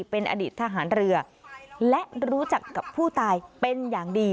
เป็นอดีตทหารเรือและรู้จักกับผู้ตายเป็นอย่างดี